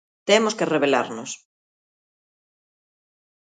Temos que rebelarnos.